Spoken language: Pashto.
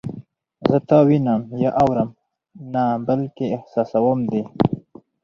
زه تا وینم یا اورم نه بلکې احساسوم دې